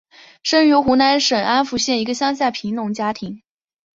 出生于湖南省安福县一个乡下贫农家庭。